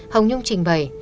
hồng nhung trình bày